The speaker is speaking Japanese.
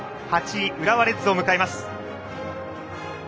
８位、浦和レッズを迎えます。